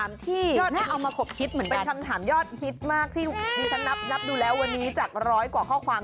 อันนี้ความยอดฮิตมากที่ผมนับดูแลววันนี้จากร้อยกว่าข้อความ